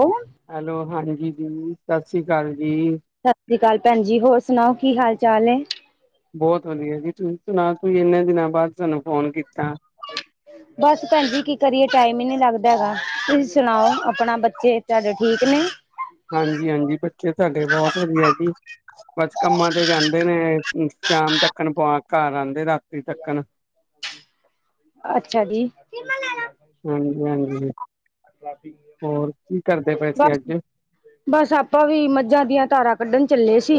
ਔਮ। Hello. ਹਾਂਜੀ ਦੀ ਸਤ ਸ੍ਰੀ ਕਾਲ ਜੀ। ਸਤਿ ਸ੍ਰੀ ਕਾਲ ਭੈਨ ਜੀ ਹੋਰ ਸੁਨਾਔ ਕੀ ਹਾਲ-ਚਾਲ ਨੇ? ਬੋਤ ਵਧੀਆ ਜੀ। ਤੁਸੀਂ ਸੁਣਾ ਤੁਸੀਂ ਇੰਨੇ ਦਿਨਾਂ ਬਾਦ ਸਾਨੂੰ ਫੋਨ ਕੀਤਾ। [inaudible] ਬਸ ਭੈਨ ਜੀ ਕੀ ਕਰੀਏ ਟਾਈਮ ਈ ਨੀ ਲੱਗਦਾ ਹੈਗਾ ਤੁਸੀਂ ਸੁਨਾਔ ਆਪਨਾ ਬੱਚੇ ਤਾਡੇ ਠੀਕ ਨੇ। ਹਾਂਜੀ-ਹਾਂਜੀ ਬੱਚੇ ਸਾਡੇ ਬੋਤ ਵਧੀਆ ਜੀ। ਬਸ ਕੰਮਾਂ ਤੇ ਜਾਂਦੇ ਨੇ ਸ਼ਾਮ ਤੱਕਨ ਪ ਘਰ ਆਂਦੇ ਰਾਤੀ ਤੱਕਨ। [inaudible] ਅੱਛਾ ਜੀ। ਹਾਂਜੀ ਹਾਂਜੀ ਹੋਰ ਕੀ ਕਰਦੇ ਪਏ ਸੀ ਅੱਜ [unintelligible] ਬਸ ਆਪਾਂ ਵੀ ਮੱਝਾਂ ਦੀਆਂ ਧਾਰਾਂ ਕੱਢਨ ਚੱਲੇ ਸੀ।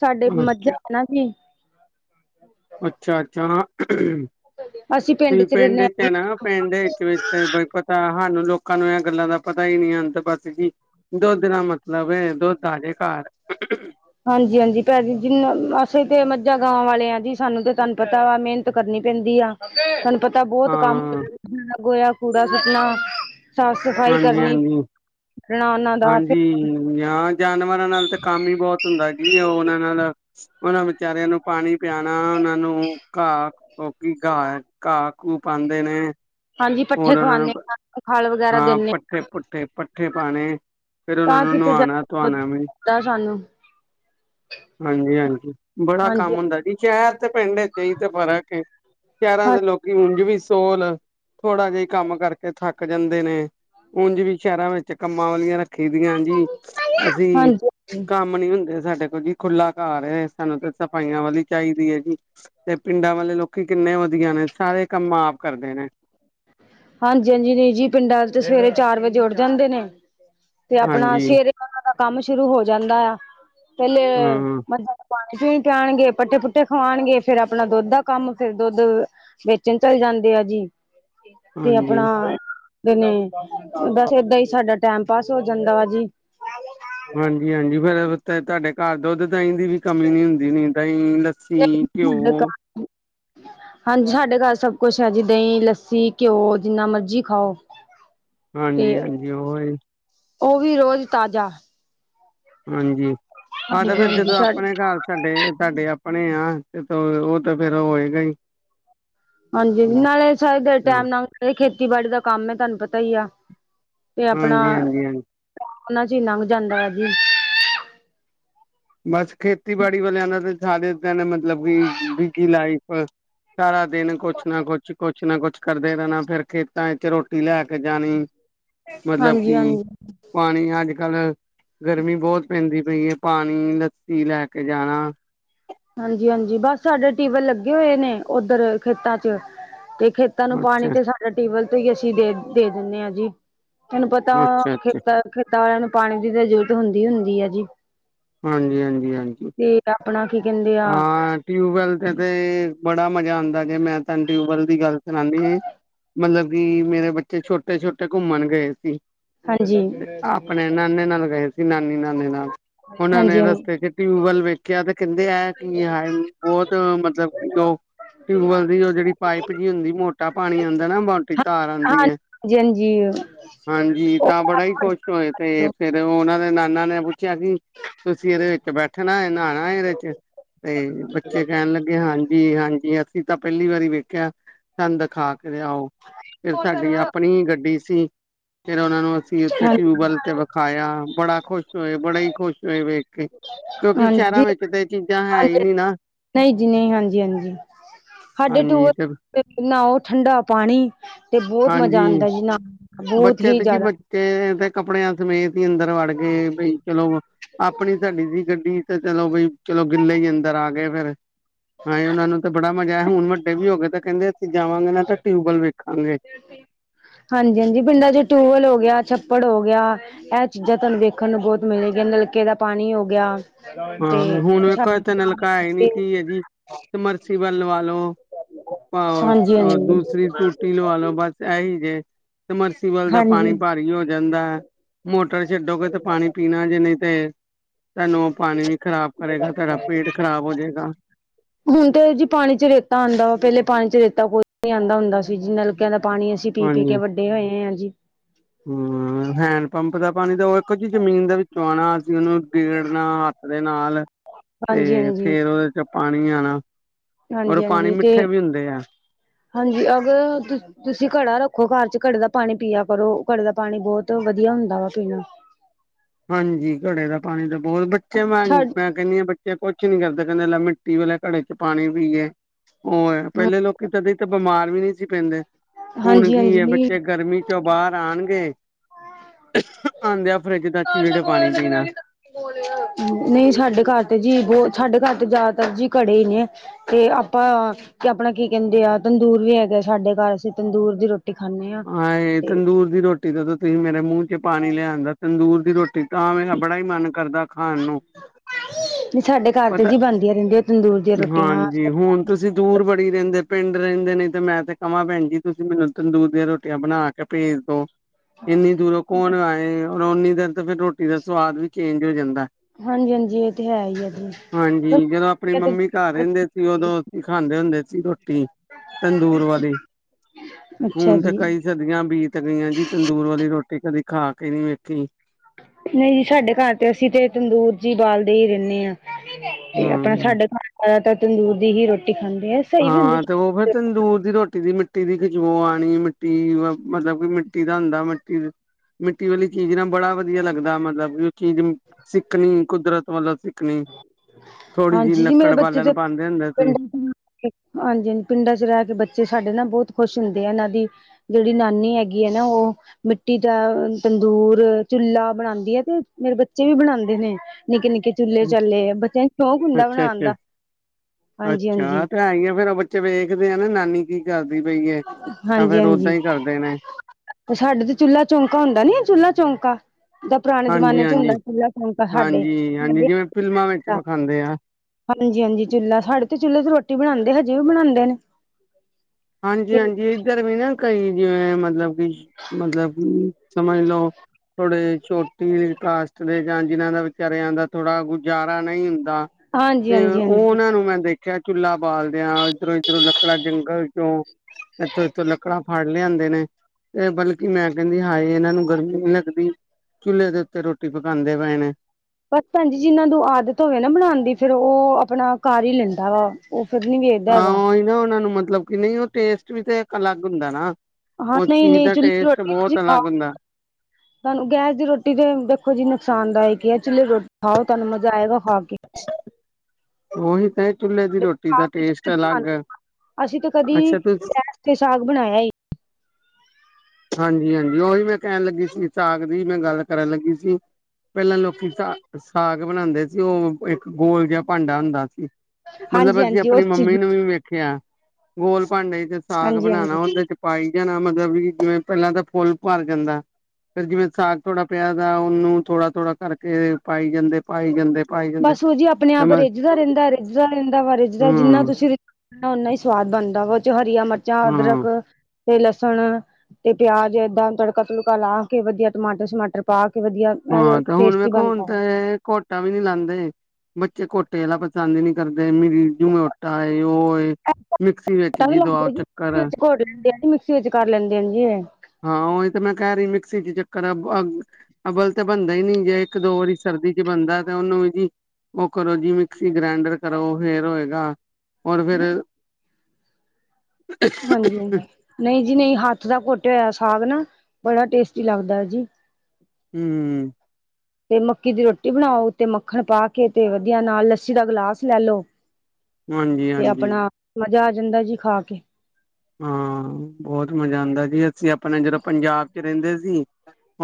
ਸਾਡੇ ਅੱਛਾ ਮੱਝਾਂ ਐ ਨਾ। ਜੀ। ਅੱਛਾ-ਅੱਛਾ। ਅਸੀਂ ਤੁਸੀਂ ਰਹਿੰਦੇ ਪਿੰਡ 'ਚ ਹਾਂ। ਏ ਨਾ। ਪਿੰਡ ਦੇ ਵਿੱਚ-ਵਿਚ ਬ ਪਤਾ ਸਾਨੂੰ ਲੋਕਾਂ ਨੂੰ ਐ ਗੱਲਾਂ ਦਾ ਪਤਾ ਈ ਨੀ ਹੋਦਾ ਬਸ ਜੀ। ਦੁੱਧ ਦਾ ਮਤਲਬ ਏ ਦੁੱਧ ਆਜੇ ਕਾਰ। ਹਾਂਜੀ-ਹਾਂਜੀ ਭੈ ਜੀ ਜਿਨ ਅਸੀਂ ਤੇ ਮੱਝਾਂ ਗਾਵਾਂ ਵਾਲੇ ਆ ਜੀ ਸਾਨੂੰ ਤੇ ਤਾਨੂੰ ਪਤਾ ਵਾ ਮਿ ਤ ਕਰਨੀ ਪੈਂਦੀ ਆ ਤਾਨੁ ਪ ਤਾਂ ਬਹੁਤ ਕੰਮ ਹਾਂ ਗੋਯਾ ਕੂੜਾ ਸਟਨਾ, ਸਾਫ਼-ਸਫ਼ਾਈ ਹਾਂਜੀ ਕਰਨੀ ਹਾਂਜੀ ਨਾ-ਨਾ। ਹਾਂਜੀ। ਨਾ ਜਾਨਵਰਾਂ ਨਾਲ ਤੇ ਕੰਮ ਈ ਬੋਤ ਹੁੰਦਾ ਜੀ ਉਨਾਂ ਨਾਲ ਉਨਾਂ ਵਿਚਾਰਆਂ ਨੂੰ ਪਾਨੀ ਪਿਆਣਾ ਉਨਾਂ ਨੂੰ ਘਾ ਔ ਕਿ ਘ-ਘਾ-ਘੂ ਪਾਂਦੇ ਨੇ। ਹਾਂਜੀ ਹੋਰ ਪੱਠੇ ਉਹਨਾਂ ਨੂੰ ਖਵਾਂਨੇ ਆ। ਹਾਂ, ਪੱਠੇ-ਪੁੱਠੇ-ਪੱਠੇ ਪਾਣੇ ਫੇਰ ਉਹਨਾ ਨੂੰ ਨਵਾਣਾ ਧੁਆਨਾ ਵੀ। ਤਾ ਸਾਨੂੰ ਹਾਂਜੀ-ਹਾਂਜੀ ਬੜਾ ਹਾਂਜੀ ਕੰਮ ਹਾਂ ਹੁੰਦਾ ਜੀ ਸ਼ੈਹਰ ਤੇ ਪਿੰਡ' ਚ ਏਈ ਤੇ ਫਰਕ ਏ। ਸ਼ਹਿਰਾਂ ਦੇ ਹਾਂਜੀ ਲੋਕੀ ਉਂਝ ਵੀ ਸੋਲ ਥੋੜਾ ਜਾਈ ਕੰਮ ਕਰਕੇ ਥੱਕ ਜਾਂਦੇ ਨੇ। ਉਂਝ ਵੀ ਸ਼ਹਿਰਾਂ ਵਿੱਚ ਕੰਮਾਂ ਵਾਲੀਆਂ ਰੱਖ ਖੀ ਦੀਆਂ ਜੀ ਅਸੀਂ ਹਾਂਜੀ ਕੰਮ ਨੀ ਹੁੰਦੇ ਸਾਡੇ ਕੋ ਜੀ। ਖੁੱਲਾ ਘਾਰ ਏ ਸਾਨੂੰ ਤੇ ਸਫ਼ਾਈਆਂ ਵਾਲੀ ਚਾਈਦੀ ਏ ਜੀ। ਤੇ ਪਿੰਡਾਂ ਵਾਲੇ ਲੋਕੀ ਕਿੰਨੇ ਵਧੀਆ ਨੇ ਸਾਰੇ ਕੰਮ ਆਪ ਕਰਦੇ ਨੇ। ਹਾਂਜੀ-ਹਾਂਜੀ ਨਹੀਂ ਜੀ ਪਿੰਡਾਂ ਵਾਲੇ ਤੇ ਸਵੇਰੇ ਚਾਰ ਵਜੇ ਉੱਠ ਜਾਂਦੇ ਨੇ। ਤੇ ਆਪਣਾ ਹਾਂਜੀ। ਸ਼ੇਰੇ ਉਨਾਂ ਦਾ ਕੰਮ ਸ਼ੁਰੂ ਹੋ ਜਾਂਦਾ ਆ ਪੈਲੇ ਹਾਂ ਮ ਪਾਨੀ- ਪੂਨੀ ਪਿਆਂਨਗੇ ਪੱਠੇ-ਪੁੱਠੇ ਖਵਾਉਨਗੇ, ਫੇਰ ਆਪਨਾ ਦੁੱਧ ਦਾ ਕੰਮ ਫੇਰ ਦੁੱਧ ਵੇਚਨ ਚੱਲ ਜਾਂਦੇ ਆ ਜੀ, ਤੇ ਹਾਂਜੀ। ਆਪਨਾ ਦਿਨੇ ਬਸ ਏਦਾਂ ਹੀ ਸਾਡਾ ਟੈਮ ਪਾਸ ਹੋ ਜਾਂਦਾ ਵਾ ਜੀ। ਹਾਂਜੀ -ਹਾਂਜੀ ਫੇਰ ਓ ਤਾਡੇ ਘਰ ਦੁੱਧ ਦਹੀਂ ਦੀ ਵੀ ਕਮੀ ਨੀ ਹੁੰਦੀ ਨੀ, ਦਹੀਂ, ਲੱਸੀ ਘਿਓ ਹਾਂਜੀ, ਸਾਡੇ ਘਰ ਸਭ ਕੁਛ ਹੈ ਜੀ, ਦਹੀਂ, ਲੱਸੀ, ਘਿਓ ਜੇਨਾ ਮਰਜੀ ਖਾਓ। ਹਾਂਜੀ -ਹਾਂਜੀ ਉਹੀ ਓ ਵੀ ਰੋਜ਼ ਤਾਜ਼ਾ ਹਾਂਜੀ, ਆਹ ਤੇ ਹਾਂਜੀ ਫੇਰ ਹਾਂਜੀ ਜਦੋਂ ਸਾਡੇ ਆਪਨੇ ਘਰ ਸਾਡੇ ਤਾਡੇ ਆਪਨੇ ਆ, ਤੇ ਓ ਤਾਂ ਫੇਰ ਹੋਏਗਾ ਈ। ਹਾਂਜੀ, ਨਾਲੇ ਸਾਰੀ ਦੇਹਾੜੀ ਟੈਮ ਨਾਲ ਖੇਤੀ-ਬਾੜੀ ਦਾ ਕੰਮ ਏ ਤਾਨੂੰ ਪਤਾ ਈ ਆ। ਤੇ ਆਪਨਾ ਹਾਂਜੀ-ਹਾਂਜੀ-ਹਾਂਜੀ ਉਨਾਂ ਚ ਹੀ ਨੰਗ ਜਾਂਦਾ ਆ ਜੀ। ਬਸ ਖੇਤੀ-ਬਾੜੀ ਵਾਲੇਆਂ ਦਾ, ਤੇ ਸਾਰਾ ਦਿਨ ਮਤਲਬ ਕਿ ਬਿਜੀ ਲਾਈਫ ਸਾਰਾ ਦਿਨ ਕੁਛ ਨਾ ਕੁਛ ਕੁਛ ਨਾ ਕੁਛ ਕਰਦੇ ਰਹਿਨਾ, ਫੇਰ ਖੇਤਾਂ ਵਿਚ ਰੋਟੀ ਲੈ ਕੇ ਜਾਨੀ। ਮਤਲਬ ਹਾਂਜੀ ਕਿ ਹਾਂਜੀ ਪਾਨੀ ਅੱਜ-ਕੱਲ ਗਰਮੀ ਬਹੁਤ ਪੈਂਦੀ ਪਈ ਏ, ਪਾਨੀ ਨੀ ਲੱਸੀ ਲੈ ਕੇ ਜਾਨਾ। ਹਾਂਜੀ -ਹਾਂਜੀ, ਬਸ ਸਾਡੇ ਟੀਬਲ ਲੱਗੇ ਹੋਏ ਨੇ, ਓਧਰ ਖੇਤਾਂ ਚ ਤੇ ਖੇ ਤਾਨੂੰ ਪਾਨੀ ਅੱਛਾ, ਤੇ ਸਾਡਾ ਟੀਬਲ ਤੋ ਹੀ ਅਸੀਂ ਦੇ, ਦੇ ਦਿੰਦੇ ਆਂ ਜੀ। ਤਾਨੂੰ ਪਤਾ ਅੱਛਾ, ਅੱਛਾ ਖੇਤਾਂ- ਖੇਤਾਂ ਵਾਲੇਆਂ ਨੂੰ ਪਾਨੀ ਦੀ, ਤਾਂ ਜ਼ਰੂਰਤ ਹੁੰਦੀ- ਹੁੰਦੀ ਏ ਜੀ। ਹਾਂਜੀ -ਹਾਂਜੀ -ਹਾਂਜੀ। ਠੀਕ ਆਪਨਾ ਆਂ ਟਿਊਬਵੈਲ ਤੇ-ਤੇ ਬੜਾ ਮਜ਼ਾ ਆਂਦਾ, ਜੇ ਮੈਂ ਤਾਨੂੰ ਟਿਊਬਵੈਲ ਦੀ ਗੱਲ ਸੁਨਾਂਦੀ ਆਂ ਜੀ। ਮਤਲਬ ਕਿ ਮੇਰੇ ਬੱਚੇ ਛੋਟੇ- ਛੋਟੇ ਘੁੰਮਨ ਗਏ ਸੀ। ਹਾਂਜੀ ਤੇ ਆਪਨੇ ਨਾਨੇ ਨਾਲ ਗਏ ਸੀ। ਕਿ ਨਾਨੀ -ਨਾਨੇ ਨਾਲ ਉਨਾਂ ਨੇ ਹਾਂਜੀ ਹਾਂਜੀ ਰਸਤੇ ਚ ਟਿਊਬਵੈਲ ਵੇਖੇਆ ਤੇ ਕਹਿੰਦੇ ਐ ਕੀ, ਹਾਏ ਬੋਹਤ ਮਤਲਬ ਕਿ ਓ ਟਿਊਬਵੈਲ ਦੀ ਓ ਜੇੜੀ ਪਾਈਪ ਜਿਹੀ ਹੁੰਦੀ ਮੋਟਾ ਪਾਨੀ ਆਂਦਾ ਨਾ, ਮੋਟੀ ਹਾਂ ਤਾਰ ਆਂਦੀ ਏ। ਹਾਂਜੀ ਹਾਂਜੀ ਹਾਂਜੀ, ਉਹ ਤਾਂ ਹਾਂ ਬੜਾ ਹੀ ਖੁਸ਼ ਹੋਏ। ਤੇ ਫੇਰ ਉਨਾਂ ਦੇ ਨਾਨਾ ਨੇ ਪੁੱਛੇਆ, ਕਿ ਤੁਸੀਂ ਏਦੇ ਵਿੱਚ ਬੈਠਨਾ ਏ, ਨਹਾਨਾ ਇਦੇ ਚ ਤੇ ਬੱਚੇ ਕਹਿਨ ਲੱਗੇ ਹਾਂਜੀ -ਹਾਂਜੀ ਅਸੀਂ ਤਾਂ ਪਹਿਲੀ ਵਾਰੀ ਵੇਖੇਆ, ਸਾਨੂੰ ਦੇਖਾ ਕੇ ਲੇਆਓ। ਫੇਰ ਸਾਡੀ ਆਪਨੀ ਹੀ ਗੱਡੀ ਸੀ, ਫੇਰ ਉਨਾਂ ਨੂੰ ਅਸੀਂ ਉੱਥੇ ਟਿਊਬਵੈਲ ਤੇ ਵਖਾ ਵਖਾਏਆ ਬੜਾ ਖੁਸ਼ ਹੋਏ, ਬੜੇ ਹੀ ਖੁਸ਼ ਹੋਏ ਵੇਖ ਕੇ, ਕਿਉਂਕਿ ਸ਼ਹਿਰਾਂ ਹਾਂਜੀ ਵਿੱਚ ਤਾਂ ਏ ਚੀਜ਼ਾਂ ਹੈ ਹੀ ਹਾਂਜੀ, ਨੀ ਨਾ ਨਈ ਜੀ, ਨਈ ਹਾਂਜੀ -ਹਾਂਜੀ। ਸਾਡੇ ਟਿਊਬਲ ਤੇ ਨਾਓ, ਤੇ ਠੰਡਾ ਪਾਨੀ ਤੇ ਬੋਹਤ ਮਜ਼ਾ ਹਾਂਜੀ ਆਂਦਾ ਜੀ ਨਾਨ ਬੱਚੇ ਤੇ-ਕੀ ਬੱਚੇ ਤੇ ਕੱਪੜੇਆਂ ਸਮੇਤ ਹੀ ਅੰਦਰ ਵੜ ਗਏ ਬਈ ਚਲੋ, ਆਪਨੀ ਸਾਡੀ ਸੀ ਗੱਡੀ ਤੇ ਚਲੋ, ਬਈ ਚਲੋ ਗਿੱਲੇ ਹੀ ਅੰਦਰ ਆ ਗਏ ਫੇਰ ਹਾਏ, ਉਨਾਂ ਨੂੰ ਤਾਂ ਬੜਾ ਮਜ਼ਾ ਆਏਆ, ਹੁਨ ਵੱਡੇ ਵੀ ਹੋ ਗਏ, ਤਾਂ ਕਹਿੰਦੇ ਅਸੀਂ ਜਾਵਾਂਗੇ ਨਾ ਤਾਂ ਟਿਊਬਵੈੱਲ ਵੇਖਾਂਗੇ। ਹਾਂਜੀ-ਹਾਂਜੀ ਪਿੰਡਾਂ ਚ ਟਿਊਵਲ ਹੋ ਗੇਆ, ਛੱਪੜ ਹੋ ਗੇਆ ਏ ਚੀਜ਼ਾਂ ਤੁਹਾਨੂੰ ਵੇਖਨ ਨੂੰ ਬਹੁਤ ਮਿਲੇਗੀਆਂ, ਨਲਕੇ ਦਾ ਪਾਨੀ ਹੋ ਗੇਆ। ਹਾਂ, ਹੁਨ ਵੇਖੋ, ਇਥੇ ਨਲਕਾ ਹੈ ਨੀ ਕੀ -ਏ ਜੀ ਸਮਰਸੀ ਵੱਲ ਲਵਾ ਲਓ। ਪਾ ਹਾਂਜੀ ਅ ਦੂਸਰੀ ਟੂਟੀ ਲਵਾਲੋ, ਬਸ ਏਹੀ ਜੇ ਸਮਰ ਟਿਊਬਲ ਦਾ ਪਾਣੀ ਹਾਂਜੀ ਭਾਰੀ ਹੋ ਜਾਂਦਾ ਐ, ਮੋਟਰ ਛੱਡੋਗੇ ਤੇ ਪਾਣੀ ਪੀਣਾ ਜੇ ਨਹੀਂ ਤੇ ਤੁਹਾਨੂੰ ਉਹ ਪਾਣੀ ਵੀ ਖ਼ਰਾਬ ਕਰੇਗਾ, ਤੁਹਾਡਾ ਪੇਟ ਖ਼ਰਾਬ ਹੋ ਜਾਏਗਾ ਹੁਣ ਤੇ ਜੀ ਪਾਣੀ ਚ ਰੇਤਾ ਆਂਦਾ ਵਾ ਪਹਿਲੇ ਪਾਣੀ ਚ ਰੇਤਾ ਕੋਈ ਨ ਆਂਦਾ ਹੁੰਦਾ ਸੀ ਜੀ ਨਲਕਿਆਂ ਦਾ ਪਾਣੀ ਅਸੀਂ ਪੀ-ਪੀ ਕੇ ਵੱਡੇ ਹੋਏ ਹਾਂ ਜੀ ਹੁੰ, ਹੈਂਡ ਪੰਪ ਦਾ ਪਾਣੀ ਤਾਂ ਉਹ ਵੇਖੋ ਜੀ ਜ਼ਮੀਨ ਦੇ ਵਿੱਚੋਂ ਆਣਾ, ਅਸੀਂ ਉਹਨੂੰ ਗੇੜਨਾ ਤਾ ਦੇ ਨਾਲ। ਹਾਂਜੀ ਤੇ ਹਾਂਜੀ ਫੇਰ ਉਹਦੇ ਚ ਪਾਣੀ ਆਣਾ, ਔਰ ਹਾਂਜੀ ਪਾਣੀ ਹਾਂਜੀ ਤੇ ਮਿੱਠੇ ਵੀ ਹੁੰਦੇ ਐ। ਹਾਂਜੀ, ਅਗਰ ਤੁ ਤੁਸੀਂ ਕੜਾ ਰੱਖੋ ਕਰ ਚ ਕੜੇ ਦਾ ਪਾਣੀ ਪੀਆ ਕਰੋ, ਕੜੇ ਦਾ ਪਾਣੀ ਬਹੁਤ ਵਧੀਆ ਹੁੰਦਾ ਵਾ ਪੀਣਾ। ਹਾਂਜੀ, ਕੜੇ ਦਾ ਪਾਣੀ ਤਾਂ ਬਹੁਤ ਬੱਚੇ ਮੈਂ ਛੱਡ ਮੈਂ ਕਹਿੰਦੀ ਹ ਬ ਕੁਛ ਨੀ ਕਰਦੇ ਕਹਿੰਦੇ ਮਿੱਟੀ ਵਾਲੇ ਕੜੇ ਚ ਪਾਣੀ ਪੀਏ। ਉਹ ਐ, ਪਹਿਲੇ ਲੋਕੀ ਤਦੇ ਤਾਂ ਬਿਮਾਰ ਵੀ ਨਹੀਂ ਸੀ ਪੈਂਦੇ, ਹੁਣ ਹਾਂਜੀ ਕੀ ਹਾਂਜੀ ਐ ਨਹੀਂ ਬੱਚੇ ਗਰਮੀ ਚ ਚੋਂ ਬਾਹਰ ਆਣਗੇ, ਆਂਦਿਆਂ ਫਰਿੱਜ ਦਾ ਚੀਲਡ ਪਾਣੀ ਪੀਣਾ। ਨਹੀਂ ਸਾਡੇ ਕਰ ਤੇ ਜੀ ਬਹੁ ਸਾਡੇ ਕਰ ਤੇ ਜ਼ਿਆਦਾਤਰ ਜੀ ਕੜੇ ਹੀ ਨੇ। ਤੇ ਆਪਾਂ ਕਿ ਆਪਣਾ ਕੀ ਕਹਿੰਦੇ ਆ ਤੰਦੂਰ ਵੀ ਹੈਗੇ ਸਾਡੇ ਕਰ, ਅਸੀਂ ਤੰਦੂਰ ਦੀ ਰੋ ਕੀ ਖਾਨੇ ਆ ਹਾਂਏ ਤੰਦੂਰ ਦੀ ਰੋਟੀ ਜਦੋਂ ਤੁਸੀਂ ਮੇਰੇ ਮੂੰਹ ਚ ਪਾਣੀ ਲਿਆ ਆਂਦਾ, ਤੰਦੂਰ ਦੀ ਰੋਟੀ ਤਾਂ ਮੈਂ ਬੜਾ ਹੀ ਮਨ ਕਰਦਾ ਖਾਣ ਨੂੰ। ਨਹੀਂ ਸਾਡੇ ਕਰ ਤੇ ਪਤਾ ਜੀ ਬਣਦੀਆਂ ਰਹਿੰਦੀਆਂ ਤੰਦੂਰ ਦੀਆਂ ਰੋਟੀਆਂ। ਹਾਂਜੀ ਹੁਣ ਤੁਸੀਂ ਦੂਰ ਬੜੀ ਰਹਿੰਦੇ ਪਿੰਡ ਰਹਿੰਦੇ, ਨੀ ਤੇ ਮੈਂ ਤੇ ਕਵਾਂ ਪੈਣ ਜੀ ਤੁਸੀਂ ਮੈਨੂੰ ਤੰ ਤੰਦੂਰ ਦੀਆਂ ਰੋਟੀਆਂ ਬਣਾ ਕੇ ਪੇਜ ਦੋ, ਇੰਨੀ ਦੂਰੋਂ ਕੌਣ ਆਏ। ਔਰ ਉਨੀ ਦੇਰ ਤੇ ਫੇਰ ਰੋਟੀ ਦਾ ਸਵਾਦ ਵੀ ਚੇਂਜ ਹੋ ਜਾਂਦਾ। ਹਾਂਜੀ-ਹਾਂਜੀ, ਇਹ ਤੇ ਹੈ ਹੀ ਆ ਜੀ [unintelligible] ਕਰ ਰਹਿੰਦੇ ਸੀ ਉਦੋਂ ਖਾਂਦੇ ਹੁੰਦੇ ਸੀ ਰੋਟੀ ਤੰਦੂਰ ਵਾਲੀ। [unintelligible] ਹੁਣ ਤਾਂ ਜੀ ਕਈ ਸਦੀਆਂ ਬੀਤ ਗਈਆਂ ਜੀ ਤੰਦੂਰ ਵਾਲੀ ਰੋਟੀ ਕਦੀ ਖਾ ਕੇ ਨਹੀਂ ਵੇਖੀ। ਨਹੀਂ ਜੀ ਸਾਡੇ ਕਰ ਤੇ ਅਸੀਂ ਤੇ ਤੰਦੂਰ ਜੀ ਬਾਲਦੇ ਹੀ ਰਹਿਣੇ ਹਾਂ। ਤੇ ਆਪਣਾ ਹੂੰ ਸਾਡੇ ਖ ਪ ਤਾਂ ਤੰਦੂਰ ਦੀ ਹੀ ਰੋਟੀ ਖਾਂਦੇ ਆ, ਸਹੀ ਵੀ ਹੁੰਦੀ ਹਾਂ ਤੇ ਉਹ ਫੇਰ ਤੰਦੂਰ ਦੀ ਰੋਟੀ ਦੀ ਮਿੱਟੀ ਦੀ ਖੁਸ਼ਬੋ ਆਨੀ, ਮਿੱਟੀ ਮਤਲਬ ਕਿ ਮਿੱਟੀ ਦਾ ਹੁੰਦਾ ਮਿੱਟੀ ਮਿੱਟੀ ਵਾਲੀ ਚੀਜ਼ ਨਾ ਬੜਾ ਵਧੀਆ ਲੱਗਦਾ ਮਤਲਬ ਵੀ ਉਹ ਚੀਜ਼ ਸਿੱਕਣੀ ਕੁਦਰਤ ਮਤਬ ਸਿੱਕਣੀ ਥੋੜ੍ਹੀ ਜਿਹੀ ਹਾਂਜੀ ਜੀ ਲੱਕੜ ਪਾਲਣ ਪਾਂਦੇ ਹੁੰਦੇ ਸੀ। ਹਾਂਜੀ-ਹਾਂਜੀ, ਪਿੰਡਾਂ ਚ ਰਹਿ ਕੇ ਬੱਚੇ ਸਾਡੇ ਨਾ ਬਹੁਤ ਖੁਸ਼ ਹੁੰਦੇ ਆ, ਇਹਨਾਂ ਦੀ ਜਿਹੜੀ ਨਾਨੀ ਹੈਗੀ ਐ ਨਾ ਉਹ ਮਿੱਟੀ ਦਾ ਤੰਦੂਰ ਚੁਲਾ ਬਣਾਂਦੀ ਐ ਤੇ ਮੇਰੇ ਬੱਚੇ ਵੀ ਬਣਾਂਦੇ ਨੇ। ਨਿੱਕੇ ਨਿੱਕੇ ਚੂਲੇ ਚਾਲੇ ਬਚ ਅੱਛਾ, ਅੱਛਾ, ਹਾਂਜੀ ਅੱਛਾ ਹਾਂਜੀ ਤੇ ਭਈ ਆ ਫੇਰ ਉਹ ਬੱਚੇ ਵੇਖਦੇ ਆ ਨਾ ਨਾਨੀ ਕੀ ਕਰਦੀ ਪਈ ਹੇ ਤਾਂ ਹਾਂਜੀ ਫੇਰ ਉਦਾ ਹਾਂਜੀ ਹੀ ਕਰਦੇ ਨੇ। ਸਾਡੇ ਤੇ ਚੁੱਲ੍ਹਾ ਚੌਂਕਾ ਹੁੰਦਾ ਨੀ ਆ ਚੁੱਲ੍ਹਾ ਚੌਂਕਾ ਜਿੰਦਾ ਪੁਰਾਣੇ ਹਾਂਜੀ ਜਮਾਨੇ ਚ ਹੁੰਦਾ ਹਾਂਜੀ ਚੁੱਲ੍ਹਾ ਚੌਂਕਾ ਸਾਡੇ, ਹਾਂਜੀ ਹਾਂਜੀ ਸਾਡੇ ਜਿਵੇਂ ਫਿਲਮਾਂ ਵਿੱਚ ਵਿਖਾਂਦੇ ਆ। ਹਾਂਜੀ-ਹਾਂਜੀ, ਚੁੱਲ੍ਹਾ ਸਾਡੇ ਤੇ ਚੁੱਲ੍ਹੇ ਤੇ ਰੋਟੀ ਬਣਾਂਦੇ, ਹਜੇ ਵੀ ਬਣਾਂਦੇ ਨੇ। ਤੇ ਹਾਂਜੀ-ਹਾਂਜੀ, ਇੱਧਰ ਵੀ ਨਾ ਕਈ ਜਿਵੇਂ ਮਤਲਬ ਕਿ ਮਤਲਬ ਸਮਝ ਲੋ। ਥੋੜੇ ਛੋਟੀ ਕਾਸਟ ਦੇ ਜਾਂ ਜਿਨਾਂ ਦਾ ਵਿਚਾਰਿਆਂ ਦਾ ਥੋੜਾ ਗੁਜ਼ਾਰਾ ਨਹੀਂ ਹੁਣ ਤਾ ਹਾਂਜੀ ਹਾਂਜੀ ਉਹ ਹਾਂਜੀ ਉਹਨਾਂ ਨੂੰ ਮੈਂ ਦੇਖਿਆ ਚੁਲਾ ਬਾਲਦਿਆਂ ਇਧਰੋਂ ਇਧਰੋਂ ਲੱਕੜਾ ਜੰਗਲ ਉਹ ਇੱਥੋਂ ਇਥੋਂ ਲੱਕੜਾਂ ਫੜ ਲਿਆਂਦੇ ਨੇ। ਤੇ ਬਲਕੀ ਮੈਂ ਕੈਂਦੀ ਹਾਏ ਏਨਾਂ ਨੂੰ ਗਰਮੀ ਨੀ ਲੱਗਦੀ। ਚੁਲੇ ਦੇ ਉੱਤੇ ਰੋਟੀ ਪਕਾਂਦੇ ਪਏ ਨੇ। ਪਰ ਭੈਣਜੀ ਜਿਨਾਂ ਨੂੰ ਆਦਤ ਹੋਵੇ ਨਾ ਬਣਾਣ ਦੀ ਫਿਰ ਓ ਆਪਣਾ ਕਰ ਈ ਲੈਂਦਾ ਵਾ। ਓ ਫਿਰ ਨੀ ਗੇ ਹਾਂ ਓਈ ਨਾ ਉਨਾ ਨੂੰ ਮਤਲਬ ਕੀ ਨਈ ਓ ਟੇਸਟ ਵੀ ਤੇ ਇਕ ਅਲੱਗ ਹੁੰਦਾ ਨਾ। ਹਾਂ ਉਸ ਨਹੀਂ ਚੀਜ਼ ਨਹੀਂ ਦਾ ਚੁੱਲੀ ਦੀ ਟੇਸਟ ਰੋਟੀ ਬੋਤ ਖਾਓ ਅਲੱਗ ਹੁੰਦਾ। ਤੁਹਾਨੂੰ ਗੈਸ ਦੀ ਰੋਟੀ ਤੇ ਦੇਖੋ ਜੀ ਨੁਕਸਾਨਦਾਇਕ ਈ ਆ ਚੁੱਲ੍ਹੇ ਦੀ ਰੋਟੀ ਖਾਓ ਤੁਹਾਨੂੰ ਮਜ਼ਾ ਆਏਗਾ ਖਾ ਕੇ। [unintelligible] ਓਹੀ ਤੇ ਚੁਲੇ ਦੀ ਰੋਟੀ ਦਾ ਟੇਸਟ ਅਲੱਗ ਅਸੀਂ ਤਾਂ ਕਦੀ ਅੱਛਾ ਤੁ ਗੈਸ ਤੇ ਸਾਗ ਬਣਾਇਆ ਈ। ਹਾਂਜੀ-ਹਾਂਜੀ ਓਹੀ ਮੈਂ ਕੈਣ ਲੱਗੀ ਸੀ ਸਾਗ ਦੀ ਮੈਂ ਗੱਲ ਕਰਨ ਲੱਗੀ ਸੀ ਪੈਲਾਂ ਲੋਕੀ ਸਾ ਸਾਗ ਬਣਾਂਦੇ ਸੀ ਓ ਇੱਕ ਗੋਲ ਜਾ ਭਾਂਡਾ ਹੁੰਦਾ ਸੀ। ਮਤਲਬ ਹਾਂਜੀ ਅਸੀਂ ਹਾਂਜੀ ਉਹ ਆਪਣੀ ਮੰਮੀ ਚੀਜ਼ ਨੂੰ ਵੀ ਵੇਖਿਆ ਗੋਲ ਭਾਂਡੇ ਚ ਸਾਗ ਹਾਂਜੀ ਬਣਾਣਾ ਹਾਂਜੀ ਓਦੇ ਚ ਪਾਈ ਜਾਣਾ ਮਤਲਬ ਵੀ ਜਿਵੇਂ ਪੈਲਾਂ ਤਾਂ ਫੁੱਲ ਭਰ ਜਾਂਦਾ ਫਿਰ ਜਿਵੇਂ ਸਾਗ ਥੋੜਾ ਪਿਆ ਦਾ ਓਨੂੰ ਥੋੜਾ-ਥੋੜਾ ਕਰਕੇ ਪਾਈ ਜਾਂਦੇ ਪਾਈ ਜਾਂਦੇ ਪਾਈ ਜਾਂਦੇ ਬਸ ਓ ਜੀ ਆਪਣੇ ਆਪ ਹਮ ਰਿੱਝਦਾ ਰੈਂਦਾ ਰਿੱਝਦਾ ਰੈਂਦਾ ਵਾ ਰਿੱਝਦਾ ਜਿੰਨਾ ਤੁਸੀਂ ਰਿ ਨਾ ਓਨਾ ਈ ਸਵਾਦ ਬਣਦਾ ਵਾ ਓ ਚ ਹਰੀਆਂ ਮਿਰਚਾਂ, ਹਮ ਅਦਰਕ ਤੇ ਲਸਣ ਤੇ ਪਿਆਜ ਏਦਾਂ ਤੜਕਾ-ਤੁੜਕਾ ਲਾ ਕੇ ਵਧੀਆ ਟਮਾਟਰ ਸ਼ਮਾਟਰ ਪਾ ਕੇ ਵਧੀਆ ਹਾਂ ਤੇ ਹੁਣ ਟੇਸਟੀ ਵੇਖੋ ਹੁਣ ਬਣਦਾ ਵਾ ਤੇ ਕੋਟਾ ਵੀ ਨੀ ਲਾਂਦੇ। ਬੱਚੇ ਕੋੋਟੇ ਆਲਾ ਪਸੰਦ ਈ ਨੀ ਕਰਦੇ ਮੇਰੀ ਮੋਟਾ ਏ ਓ ਏ ਮਿਕਸੀ ਵਿੱਚ ਜੀ [unintelligible] ਦਵਾਓ ਚੱਕਰ ਮਿਕਸੀ ਵਿੱਚ ਕਰ ਲੈਂਦੇ ਆ ਜੀ ਐ। ਹਾਂ ਓਈ ਤਾਂ ਮੈਂ ਕੈ ਰੀ ਮਿਕਸੀ [unintelligible] ਅਬਲ ਤਾਂ ਬਣਦਾ ਈ ਨੀ ਜੇ ਇੱਕ ਦੋ ਵਾਰੀ ਸਰਦੀ ਚ ਬਣਦਾ ਤੇ ਓਨੂੰ ਜੀ ਓ ਕਰੋ ਜੀ ਮਿਕਸੀ ਗ੍ਰੈਂਡਰ ਕਰੋ ਫੇਰ ਹੋਏਗਾ। ਓਰ ਫੇਰ ਹਾਂਜੀ-ਹਾਂਜੀ ਨਈ ਜੀ ਨਈ ਹੱਥ ਦਾ ਘੋਟਿਆ ਹੋਇਆ ਸਾਗ ਨਾ ਬੜਾ ਟੇਸਟੀ ਲੱਗਦਾ ਜੀ। ਹੂੰ। ਤੇ ਮੱਕੀ ਦੀ ਰੋਟੀ ਬਣਾਓ ਤੇ ਮੱਖਣ ਪਾ ਕੇ ਤੇ ਵਧੀਆ ਨਾਲ ਲੱਸੀ ਦਾ ਗਲਾਸ ਲੈ ਲੋ। ਤੇ ਹਾਂਜੀ-ਹਾਂਜੀ। ਆਪਣਾ ਮਜ਼ਾ ਆ ਜਾਂਦਾ ਜੀ ਖਾ ਕੇ। ਹਾਂ ਬੋਤ ਮਜ਼ਾ ਆਂਦਾ ਜੀ ਅਸੀਂ ਆਪਣਾ ਜਦੋਂ ਪੰਜਾਬ ਚ ਰੈਂਦੇ ਸੀ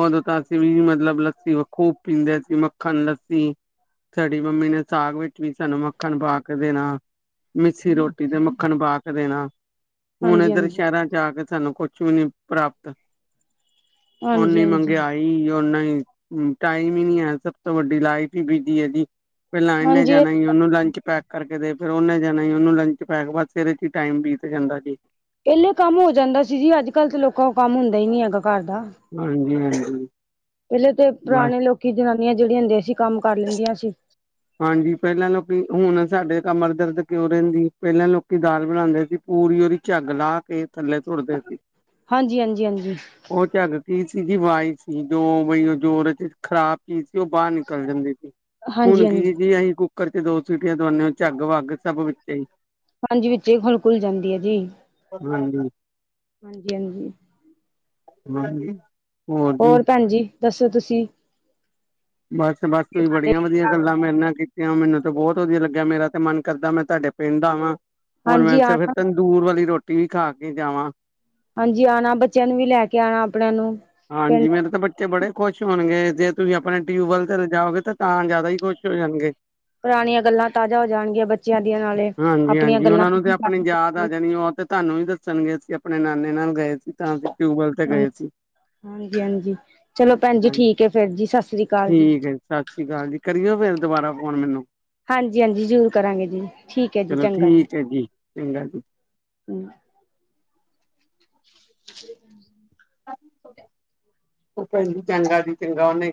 ਓਦੋਂ ਤਾਂ ਅਸੀਂ ਵੀ ਮਤਲਬ ਲੱਸੀ ਖੂਬ ਪੀਂਦੇ ਸੀ ਮੱਖਣ ਲੱਸੀ ਸਾਡੀ ਮੰਮੀ ਨੇ ਸਾਗ ਵਿੱਚ ਵੀ ਸਾਨੂੰ ਮੱਖਣ ਪਾ ਕੇ ਦੇਣਾ ਮਿੱਸੀ ਰੋਟੀ ਤੇ ਮੱਖਣ ਪਾ ਕੇ ਦੇਣਾ। ਹੁਣ ਹਾਂਜੀ ਇੱਧਰ ਹਾਂਜੀ ਸ਼ੈਰਾਂ ਚ ਆ ਕੇ ਸਾਨੂੰ ਕੁਛ ਵੀ ਨੀ ਪ੍ਰਾਪਤ। ਹਾਂਜੀ ਓਨੀ ਹਾਂਜੀ ਮੰਗਿਆਈ [unintelligible] ਓਨਾ ਈ ਟਾਈਮ ਈ ਨੀ ਐ ਸਭ ਤੋਂ ਵੱਡੀ ਲਾਈਫ ਈ ਬਿਜੀ ਐ ਜੀ। ਪੈਲਾਂ ਏਨੇ ਹਾਂਜੀ ਜਾਣਾ ਈ [unintelligible] ਓਨੂੰ ਲੰਚ ਪੈਕ ਕਰਕੇ ਦੇ ਫਿਰ ਓਨੇ ਜਾਣਾ ਈ ਓਨੂੰ ਲੰਚ ਪੈਕ ਬਾਦ ਸਵੇਰੇ ਚ ਟਾਈਮ ਬੀਤ ਜਾਂਦਾ ਜੀ। ਪੈਲੇ ਕੰਮ ਹੋ ਜਾਂਦਾ ਸੀ ਜੀ ਅੱਜ ਕੱਲ ਤੇ ਲੋਕਾਂ ਕੋ ਕੰਮ ਹੁੰਦਾ ਈ ਨੀ ਹੈਗਾ ਘਰ ਦਾ। ਹਾਂਜੀ-ਹਾਂਜੀ ਪੈਲੇ ਤੇ ਬਸ ਪੁਰਾਣੇ ਲੋਕੀ ਜਨਾਨੀਆਂ ਜੇੜੀਆਂ ਹੁੰਦੀਆਂ ਸੀ ਕੰਮ ਕਰ ਲੈਂਦੀਆਂ ਸੀ ਹਾਂਜੀ ਪੈਲਾਂ ਲੋਕੀ ਹੁਣ ਸਾਡੇ ਕਮਰ ਦਰਦ ਕਿਉਂ ਰੈਂਦੀ ਪੈਲਾਂ ਲੋਕੀ ਦਾਲ ਬਣਾਂਦੇ ਸੀ ਪੂਰੀ ਓਦੀ ਝੱਗ ਲਾ ਕੇ ਥੱਲੇ ਤੁਰਦੇ ਸੀ। ਹਾਂਜੀ ਹਾਂਜੀ ਹਾਂਜੀ ਓ ਝੱਗ ਕੀ ਸੀਗੀ ਵਾਈ ਸੀ ਜੋ ਬਈ ਓ ਜੋਰ ਚ ਖਰਾਬ ਚੀ ਸੀ ਓ ਬਾਰ ਨਿਕਲ ਜਾਂਦੀ ਸੀ। ਹਾਂਜੀ ਹੁਣ ਹਾਂਜੀ ਜੀ ਅਸੀਂ ਕੁੱਕਰ ਚ ਦੋ ਸੀਟੀਆਂ ਦਵਾਉਂਦੇ ਹੋ ਝੱਗ ਵੱਗ ਸਭ ਵਿੱਚ ਹੀ ਹਾਂਜੀ ਵਿੱਚੇ ਖੁਲ-ਖੁਲ ਜਾਂਦੀ ਹੈ ਜੀ ਹਾਂਜੀ। ਹਾਂਜੀ-ਹਾਂਜੀ [unintelligible] ਹੋਰ ਭੈਣ ਜੀ ਦੱਸੋ ਤੁਸੀਂ ਬਸ-ਬਸ ਤੁਸੀਂ ਤੁਹਾਡੇ ਬੜੀਆਂ ਠੀਕ ਵਧੀਆ ਠਾਕ ਗੱਲਾਂ ਮੈਂਰੇ ਨਾਲ ਕੀਤੀ ਮੈਨੂੰ ਤੇ ਬਹੁਤ ਵਧੀਆ ਲੱਗਿਆ ਮੇਰਾ ਤੇ ਮਨ ਕਰਦਾ ਮੈਂ ਤੁਹਾਡੇ ਪਿੰਡ ਦਾ ਆਵਾਂ ਹੋਰ ਹਾਂਜੀ ਮੈਂਥੇ ਆਣਾ ਫਿਰ ਦੂਰ ਵਾਲੀ ਰੋਟੀ ਵੀ ਖਾ ਕੇ ਜਾਵਾਂ ਹਾਂਜੀ ਆਣਾ ਬੱਚਿਆਂ ਨੂੰ ਵੀ ਲੈ ਕੇ ਆਣਾ ਆਪਣਿਆਂ ਨੂੰ ਪਿੰਡ ਹਾਂਜੀ ਮੇਰੇ ਤਾਂ ਬੱਚ ਬੜੇ ਖੁਸ਼ ਹੋਣਗੇ ਜੇ ਤੁਸੀਂ ਆਪਣੇ ਟਿਊਬਵੈਲ ਤੇ ਲਜਓਗੇ ਤਾਂ ਜ਼ਿਆਦਾ ਹੀ ਖੁਸ਼ ਹੋ ਜਾਣਗੇ। ਪੁਰਾਣੀਆਂ ਗੱਲਾਂ ਤਾਜ਼ਾ ਹੋ ਜਾਣਗੀਆਂ ਬੱਚਿਆਂ ਦੀਆਂ ਨਾਲੇ ਆਪਣੀਆਂ ਹਾਂਜੀ-ਹਾਂਜੀ ਗੱਲਾਂ ਉਹਨਾਂ ਨੂੰ ਤੇ ਆਪਣੀ ਯਾਦ ਜਾਣੀ ਉਹ ਤੇ ਤੁਹਾਨੂੰ ਵੀ ਦੱਸਣ ਗਏ ਸੀ ਆਪਣੇ ਨਾਨੇ ਨਾਲ ਗਏ ਸੀ ਤਾਂ ਫ ਟਿਊਬਵੈਲ ਤੇ ਗਏ ਸੀ ਹਾਂਜੀ-ਹਾਂਜੀ ਚਲੋ ਭੈਣ ਜੀ ਹਾਂਜੀ ਠੀਕ ਹੈ ਫੇਰ ਜੀ ਸਤਿ ਸ੍ਰੀ ਅਕਾਲ ਜੀ। ਠੀਕ ਹੈ ਸਤਿ ਸ਼੍ਰੀ ਅਕਾਲ ਜੀ ਕਰੀਓ ਫੇਰ ਦੁਬਾਰਾ ਫੋਨ ਮੈਨੂੰ ਹਾਂਜੀ- ਹਾਂਜੀ ਜ਼ਰੂਰ ਕਰਾਂਗੇ ਜੀ। ਠੀਕ ਹੈ ਜੀ, ਚਲੋ ਚੰਗਾ ਜੀ। ਠੀਕ ਹੈ ਚੰਗਾ ਜੀ [unintelligible] ਭੈਣ ਜੀ, ਚੰਗਾ ਜੀ ਚੰਗਾ। ਉਹਨੇ